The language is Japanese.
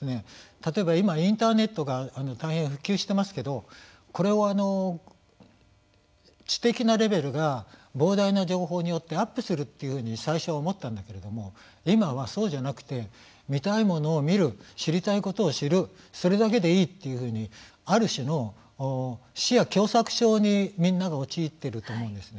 例えば今インターネットが大変普及してますけどこれを、知的なレベルが膨大な情報によってアップするというふうに最初は思ったんだけれども今はそうじゃなくて見たいものを見る知りたいことを知るそれだけでいいっていうふうにある種の視野狭窄症にみんなが陥っていると思うんですね。